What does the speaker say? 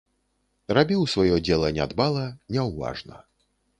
Рабіў сваё дзела нядбала, няўважна.